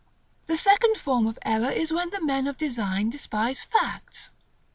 § XLVII. The second form of error is when the men of design despise facts.